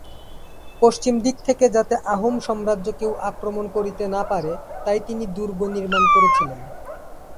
পশ্চিম দিক থেকে যাতে আহোম সাম্রাজ্য কেউ আক্রমণ করিতে না পেরে তাই তিনি দুর্গ নির্মাণ করেছিলেন।